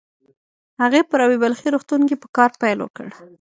هغې په رابعه بلخي روغتون کې په کار پيل وکړ.